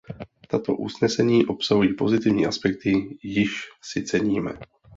Tato usnesení obsahují pozitivní aspekty, jichž si ceníme.